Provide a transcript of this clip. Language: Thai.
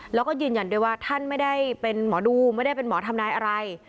แล้วก็ยืนยันด้วยว่าท่านไม่ได้เป็นหมอดูไม่ได้เป็นหมอทำนายอะไร